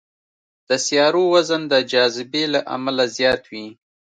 د سیارو وزن د جاذبې له امله زیات وي.